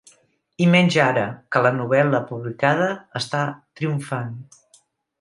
I menys ara, que la novel·la publicada està triomfant.